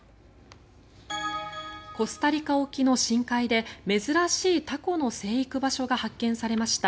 コスタリカ沖の深海で珍しいタコの生育場所が発見されました。